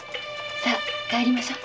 さあ帰りましょう。